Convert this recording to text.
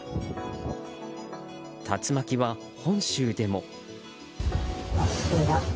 竜巻は、本州でも。